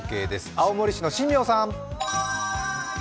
青森市の新名さん。